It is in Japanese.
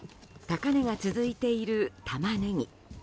高値が続いているタマネギ。